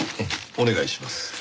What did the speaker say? お願いします。